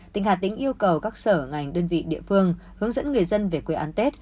tỉnh hà tĩnh yêu cầu các sở ngành đơn vị địa phương hướng dẫn người dân về quê an tết